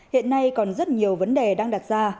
hiện nay còn rất nhiều vấn đề đang đặt ra